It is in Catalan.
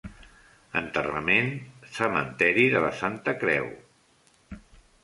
Enterrament: Cementeri de la Santa Creu.